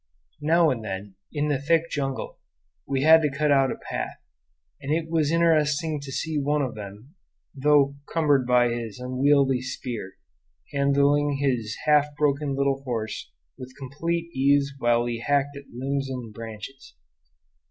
Now and then, in thick jungle, we had to cut out a path, and it was interesting to see one of them, although cumbered by his unwieldy spear, handling his half broken little horse with complete ease while he hacked at limbs and branches.